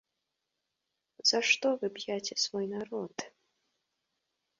За што вы б'яце свой народ?